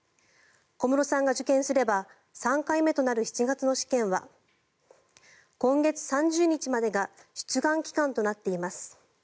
小室さんが受験すれば３回目となる７月の試験は今月３０日までが出願期間となっています。